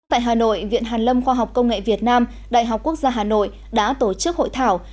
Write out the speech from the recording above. tại hà nội viện hàn lâm khoa học công nghệ việt nam đại học quốc gia hà nội đã tổ chức hội thảo